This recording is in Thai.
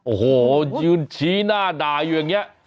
โอ้โหชี้หน้าด่ายอย่างเงี้ย